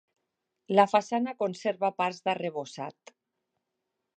La façana conserva parts d'arrebossat.